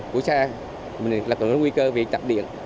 của xe mình là có nguy cơ về chạp điện